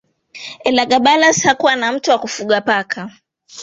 Elagabalus hakuwa tu mtu wa kufuga paka